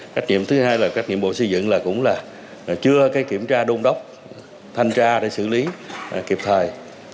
trách nhiệm thứ hai là các nhiệm vụ xây dựng là cũng là chưa kiểm tra đôn đốc thanh tra để xử lý kịp thời